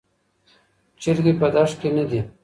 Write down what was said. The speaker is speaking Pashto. چرګې په دښت کې نه دي.